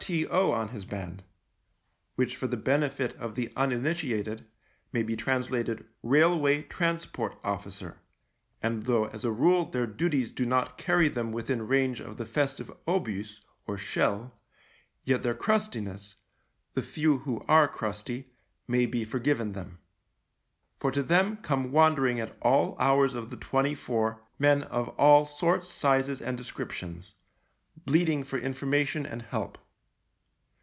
T. O. on his band — which for the benefit of the uninitiated may be translated Railway Transport Officer And though as a rule their duties do not carry them within range of the festive obus, or shell, yet their crustiness — the few who are crusty — may be forgiven them. For to them come wandering at all hours of the twenty four men of all sorts, sizes, and descriptions, bleating for information and help.